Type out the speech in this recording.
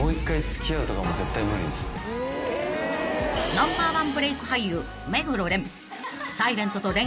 ［ナンバーワンブレーク俳優目黒蓮］